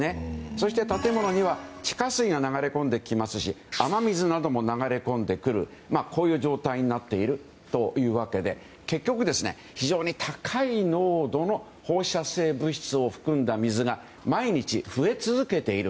そして建物には地下水が流れ込んできますし雨水なども流れ込んでくる状態になっているわけで結局、非常に高い濃度の放射性物質を含んだ水が毎日、増え続けている。